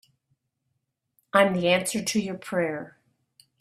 I'm the answer to your prayer.